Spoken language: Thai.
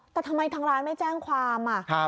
แต่ทำไมทางร้านไม่แจ้งความ